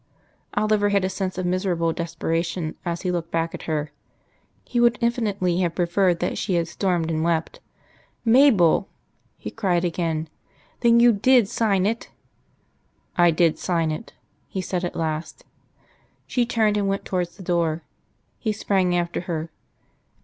Oliver had a sense of miserable desperation as he looked back at her. He would infinitely have preferred that she had stormed and wept. "Mabel " he cried again. "Then you did sign it?" "I did sign it," he said at last. She turned and went towards the door. He sprang after her.